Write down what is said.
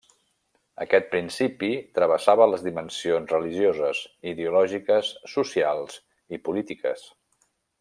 Aquest principi travessava les dimensions religioses, ideològiques, socials i polítiques.